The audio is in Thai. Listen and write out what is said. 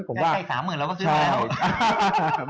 ใกล้๓หมื่นแล้วก็ซื้อแล้ว